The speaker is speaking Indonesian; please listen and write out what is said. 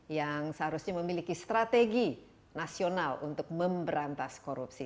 yang seharusnya memiliki strategi nasional untuk memberantas korupsi